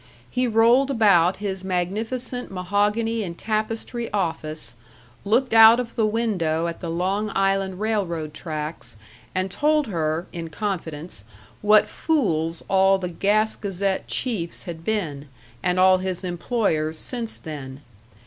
He rolled about his magnificent mahogany and tapestry office, looked out of the window at the Long Island Railroad tracks, and told her (in confidence) what fools all the Gas Gazette chiefs had been, and all his employers since then.